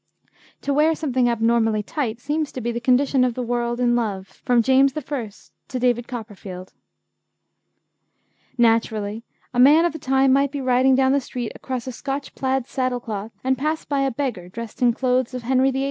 To wear something abnormally tight seems to be the condition of the world in love, from James I. to David Copperfield. Naturally, a man of the time might be riding down the street across a Scotch plaid saddle cloth and pass by a beggar dressed in clothes of Henry VIII.'